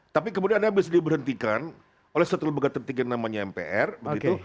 tapi kemudian anda bisa diberhentikan oleh satu lembaga tertinggi namanya mpr begitu